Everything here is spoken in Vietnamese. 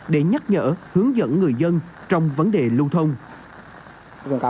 để nhắc nhở hướng dẫn người dân trong vấn đề lưu thông